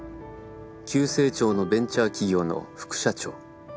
急成長のベンチャー企業の副社長。